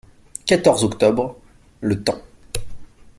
quatorze octobre., Le Temps.